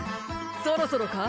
そろそろか？